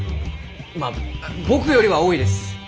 まあ僕よりは多いです。